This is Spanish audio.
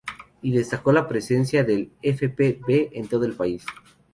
Y destacó la presencia del FpV en todo el país.